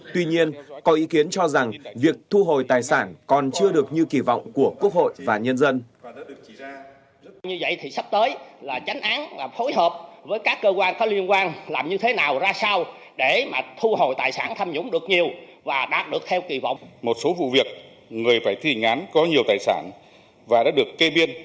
tuy nhiên có ý kiến cho rằng việc thu hồi tài sản còn chưa được như kỳ vọng của quốc hội và nhân dân